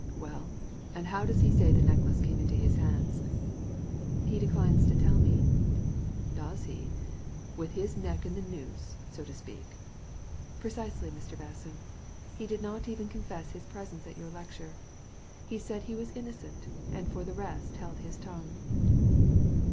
" Well, and how does he say the necklace came into his hands ?"" He declines to tell me." •' Does he ? With his neck in the noose, so to speak." " Precisely, Mr. Basson ; he did not even confess his presence at your lecture. He said he was innocent, and for the rest held his tongue."